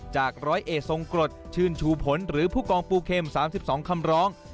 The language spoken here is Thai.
จากร้อยเอกทรงกรดชื่นชูผลหรือผู้กองปูเข็ม๓๒คำร้อง